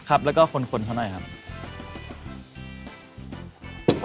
ครับแล้วก็ขนเท่านักหน่อยครับ